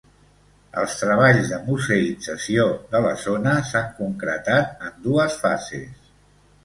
Els treballs de museïtzació de la zona s'han concretat en dues fases.